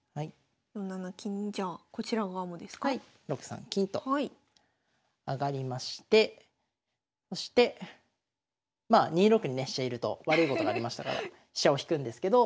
６三金と上がりましてそしてまあ２六にね飛車居ると悪いことがありましたから飛車を引くんですけど。